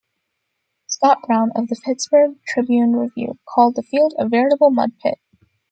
Scott Brown, of the "Pittsburgh Tribune-Review", called the field a "veritable mud pit".